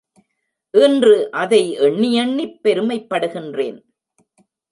இன்று அதை எண்ணியெண்ணிப் பெருமைப்படுகிறேன்.